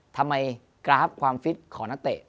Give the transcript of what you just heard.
ทำไมกราฟความฟิตของนักเตะ